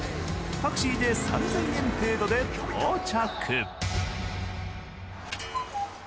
タクシーで３，０００円程度で到着。